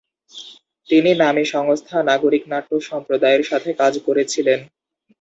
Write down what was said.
তিনি নামী সংস্থা নাগরিক নাট্য সম্প্রদায়ের সাথে কাজ করেছিলেন।